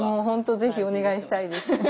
本当ぜひお願いしたいです。